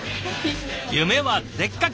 夢はでっかく！